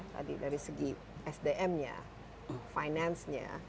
tadi dari segi sdm nya finance nya